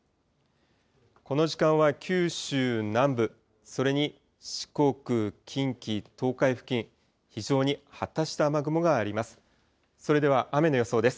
この時間は九州南部、それに四国、近畿、東海付近、非常に発達した雨雲があります。